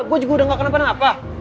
gue juga udah gak kena penang apa